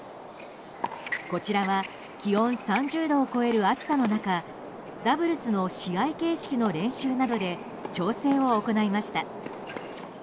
こちらは気温３０度を超える暑さの中ダブルスの試合形式の練習などで調整を行いました。